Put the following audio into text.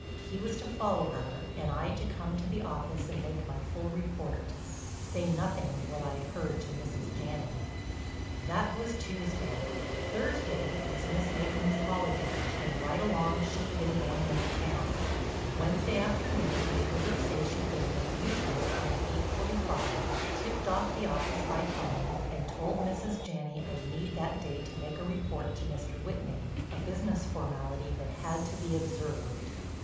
He was to follow her and I to come to the office and make my full report. Say nothing of what I'd heard to Mrs. Janney. That was Tuesday; Thursday was Miss Maitland's holiday and right along she'd been going into town. Wednesday afternoon I heard her say she'd go in as usual on the eight forty five, tipped off the office by 'phone, and told Mrs. Janney I'd need that day to make a report to Mr. Whitney—a business formality that had to be observed.